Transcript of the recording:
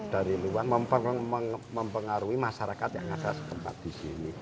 dari luar mempengaruhi masyarakat yang ada setempat di sini